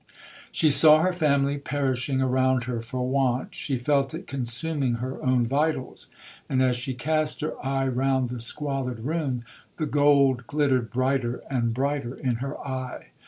She saw her family perishing around her for want,—she felt it consuming her own vitals,—and as she cast her eye round the squalid room, the gold glittered brighter and brighter in her eye.